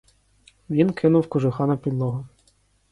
Він кинув кожуха на підлогу.